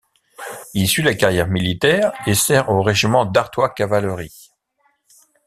Il suit la carrière militaire et sert au régiment d'Artois cavalerie.